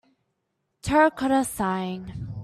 Terracotta Sighing.